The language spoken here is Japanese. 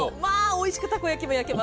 おいしくたこ焼きも焼ける。